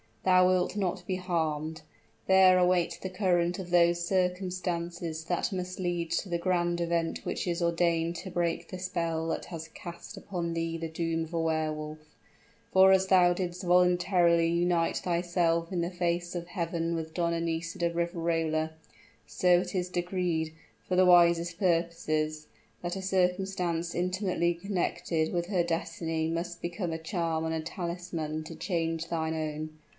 Thou wilt not be harmed! There await the current of those circumstances that must lead to the grand event which is ordained to break the spell that has cast upon thee the doom of a Wehr Wolf. For as thou didst voluntarily unite thyself in the face of heaven with Donna Nisida of Riverola, so it is decreed, for the wisest purposes, that a circumstance intimately connected with her destiny must become a charm and a talisman to change thine own.